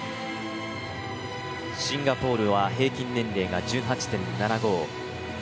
シンガポールは平均年齢が１８．７５。